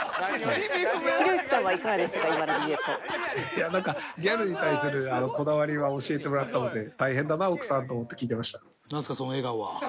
いやなんかギャルに対するこだわりは教えてもらったので大変だな奥さんと思って聞いてました。